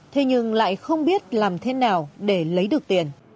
thế nhưng lại không biết làm thế nào để lấy được tiền